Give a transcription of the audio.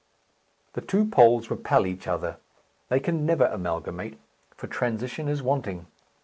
The two poles repel each other. They can never amalgamate, for transition is wanting.